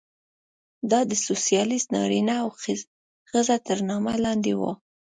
دا د سوسیالېست نارینه او ښځه تر نامه لاندې وه.